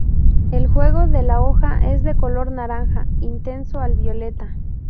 El jugo de la hoja es de color naranja intenso al violeta.